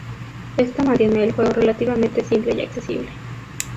Esto mantiene el juego relativamente simple y accesible.